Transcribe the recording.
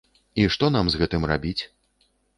І што нам з гэтым рабіць?